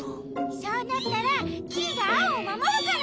そうなったらキイがアオをまもるから！